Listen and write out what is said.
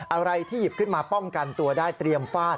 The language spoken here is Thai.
อะไรที่หยิบขึ้นมาป้องกันตัวได้เตรียมฟาด